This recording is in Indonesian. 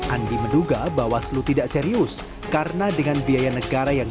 andi menduga bawaslu tidak serius karena dengan biaya negara yang